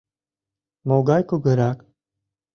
Могай Кугырак?